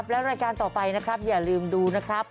และรายการต่อไปนะครับอย่าลืมดูนะครับ